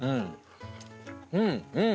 うんうん。